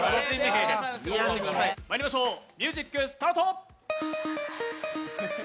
まいりましょう、ミュージックスタート。